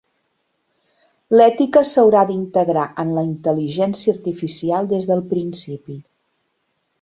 L'ètica s'haurà d'integrar en la intel·ligència artificial des del principi.